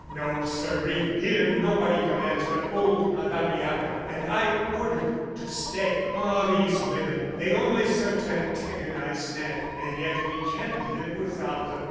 No, siree! Here nobody commands but old Madariaga, and I order you to stay. ... Ah, these women! They only serve to antagonize men. And yet we can't live without them!"